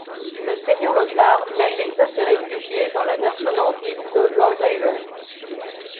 Le seigneur Lothar mène l’exode des réfugiés dans la nation nordique de Lordaeron.